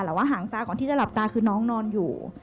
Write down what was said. หลังตาก่อนที่จะหลับตาคือน้องนอนอยู่